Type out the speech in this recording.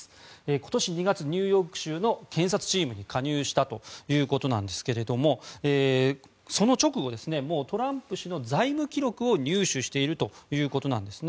今年２月ニューヨーク州の検察官チームに加入したということですがその直後、トランプ氏の財務記録を入手しているということなんです。